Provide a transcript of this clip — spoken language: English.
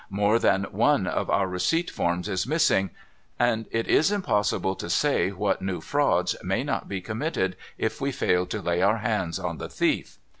More than one of our receipt forms is missing •— and it is impossible to say what new frauds may not be committed, if we fail to lay our hands on the thief.